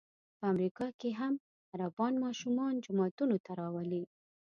په امریکا کې هم عربان ماشومان جوماتونو ته راولي.